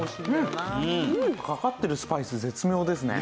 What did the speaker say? かかってるスパイス絶妙ですね。